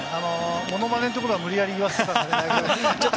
モノマネのところは無理やり言わせた感じ。